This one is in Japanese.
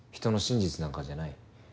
人の真実なんかじゃない。